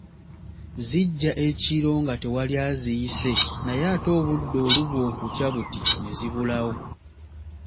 Zijja ekiro nga tewali aziyise naye ate obudde oluba okukya buti ne zibulawo.